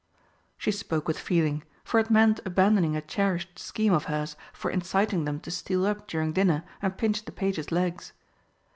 She spoke with feeling, for it meant abandoning a cherished scheme of hers for inciting them to steal up during dinner and pinch the pages' legs.